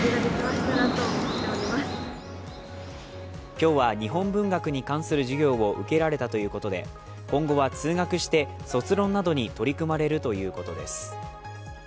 今日は、日本文学に関する授業を受けられたということで、今後は、通学して卒論などに取り組まれるということです。